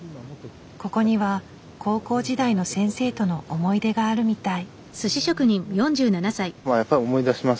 ここには高校時代の先生との思い出があるみたい。